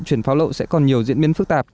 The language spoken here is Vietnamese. chuyển pháo lậu sẽ còn nhiều diễn biến phức tạp